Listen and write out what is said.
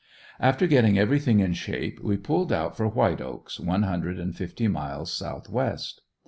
After getting everything in shape we pulled out for White Oaks, one hundred and fifty miles southwest.